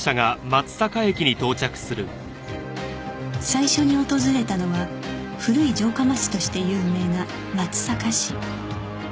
最初に訪れたのは古い城下町として有名な松阪市